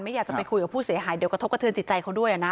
อยากจะไปคุยกับผู้เสียหายเดี๋ยวกระทบกระเทือนจิตใจเขาด้วยนะ